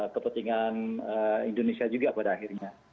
kepentingan indonesia juga pada akhirnya